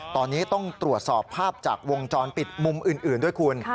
ตอนนี้ต้องตรวจสอบภาพจากวงจรปิดมุมอื่นด้วยคุณ